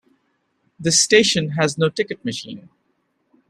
This station has no ticket machine.